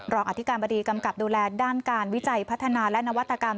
อธิการบดีกำกับดูแลด้านการวิจัยพัฒนาและนวัตกรรม